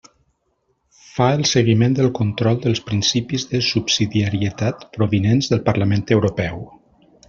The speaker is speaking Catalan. Fa el seguiment del control dels principis de subsidiarietat provinents del Parlament Europeu.